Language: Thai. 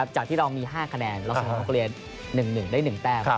จากที่เรามี๕คะแนนแล้วทางมองโกเรีย๑๑ได้๑แต้ม